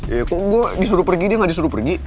ya kok gue disuruh pergi dia gak disuruh pergi